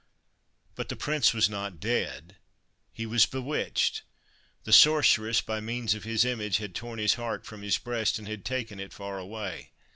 But the Prince was not dead : he was bewitched. The Sorceress, by means of his image, had torn his heart from his breast and had taken it far away.